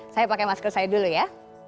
saya pakai masker saya dulu ya